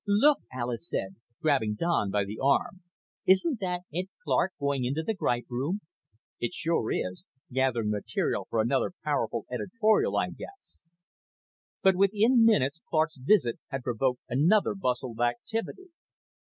"Look," Alis said, grabbing Don by the arm. "Isn't that Ed Clark going into the Gripe Room?" "It sure is. Gathering material for another powerful editorial, I guess." But within minutes Clark's visit had provoked another bustle of activity.